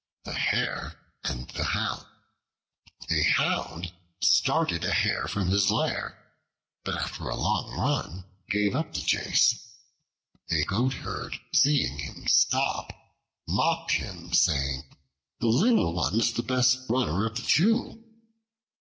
The Hare and the Hound A HOUND started a Hare from his lair, but after a long run, gave up the chase. A goat herd seeing him stop, mocked him, saying "The little one is the best runner of the two."